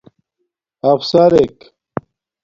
افسرک